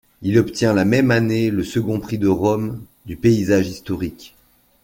Il obtient la même année le second prix de Rome du paysage historique.